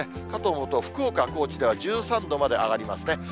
かと思うと、福岡、高知では１３度まで上がりますね。